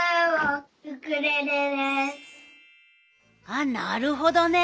ああなるほどね！